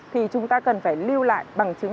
thì chúng ta cần phải lưu lại bằng chứng